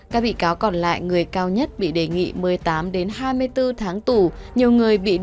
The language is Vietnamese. các bị cáo còn lại người cao nhất bị đề nghị một mươi tám hai mươi bốn tháng tù